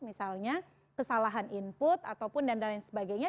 misalnya kesalahan input ataupun dan lain sebagainya